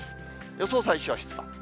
予想最小湿度。